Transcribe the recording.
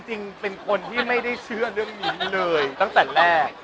จริงเป็นคนที่ไม่ได้เชื่อเรื่องนี้เลยตั้งแต่แรก